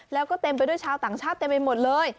แล้วก็เต็มไปด้วยชาวต่างชาติเต็มไปหมดเลย